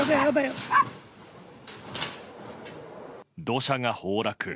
土砂が崩落。